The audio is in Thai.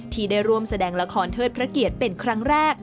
ที่ได้ร่วมแสดงละครเทิดพระเกียรติเป็นครั้งแรก